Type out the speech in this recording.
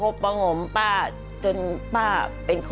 ร้องได้ให้ร้าง